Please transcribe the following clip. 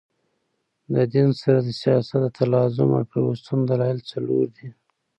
د دین سره د سیاست د تلازم او پیوستون دلایل څلور دي.